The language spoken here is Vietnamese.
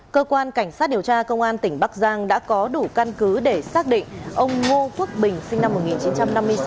cơ quan cảnh sát điều tra công an tỉnh bắc giang đã có đủ căn cứ để xác định ông ngô phước bình sinh năm một nghìn chín trăm năm mươi sáu